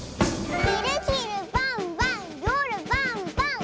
「ひるひるばんばんよるばんばん！」